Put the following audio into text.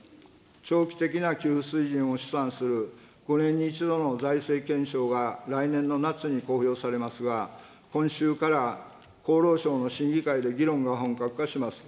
長期的な給付水準を試算する５年に１度の財政検証が来年の夏に公表されますが、今秋から厚労省の審議会で議論が本格化します。